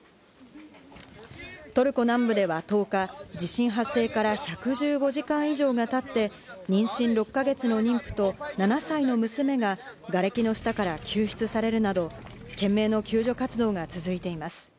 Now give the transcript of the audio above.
トルコ南部では１０日、地震発生から１１５時間以上がたって妊娠６か月の妊婦と７歳の娘ががれきの下から救出されるなど、懸命の救助活動が続いています。